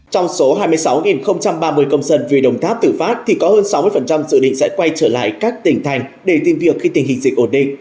trong số hai mươi sáu ba mươi công dân về đồng tháp tử phát thì có hơn sáu mươi dự định sẽ quay trở lại các tỉnh thành để tìm việc khi tình hình dịch ổn định